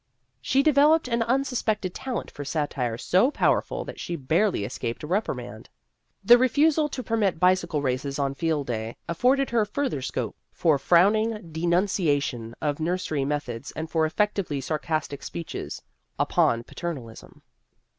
She developed an unsuspected talent for satire so powerful that she barely escaped a reprimand. The refusal to permit bi cycle races on Field Day afforded her further scope for frowning denunciation of nursery methods and for effectively sarcastic speeches upon paternalism.